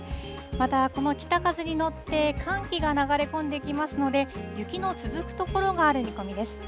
また、この北風に乗って、寒気が流れ込んできますので、雪の続く所がある見込みです。